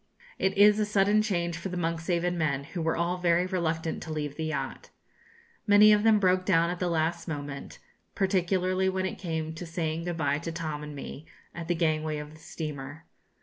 It is a sudden change for the 'Monkshaven' men, who were all very reluctant to leave the yacht. Many of them broke down at the last moment, particularly when it came to saying good bye to Tom and me, at the gangway of the steamer.